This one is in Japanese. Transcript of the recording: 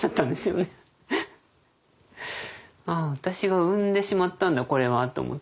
「ああ私が産んでしまったんだこれは」と思って。